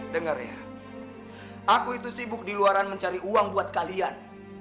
dengar ya aku itu sibuk di luaran mencari uang buat kalian